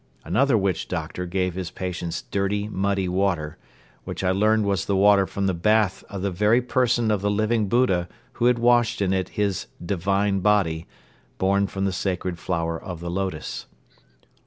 Another witch doctor gave his patients dirty, muddy water, which I learned was the water from the bath of the very person of the Living Buddha who had washed in it his "divine" body born from the sacred flower of the lotus.